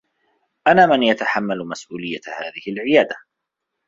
أنا من يتحمّل مسؤوليّة هذه العيادة.